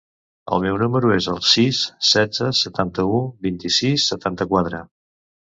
El meu número es el sis, setze, setanta-u, vint-i-sis, setanta-quatre.